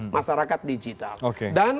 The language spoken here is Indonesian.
masyarakat digital dan